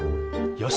よし！